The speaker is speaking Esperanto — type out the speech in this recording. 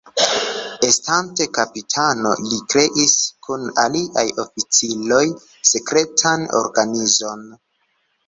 Estante kapitano, li kreis kun aliaj oficiroj sekretan organizon.